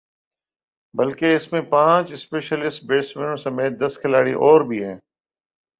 بلکہ اس میں پانچ اسپیشلسٹ بیٹسمینوں سمیت دس کھلاڑی اور بھی ہیں